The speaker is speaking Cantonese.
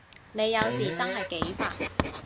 你有時真係幾煩